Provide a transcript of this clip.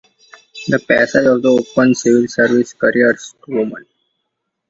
The passage of the opened civil service careers to women.